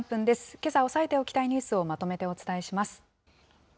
けさ押さえておきたいニュースをまとめてお伝えします。